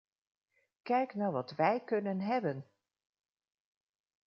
Kijk nou wat wij kunnen hebben!".